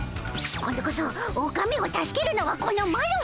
今度こそオカメを助けるのはこのマロ！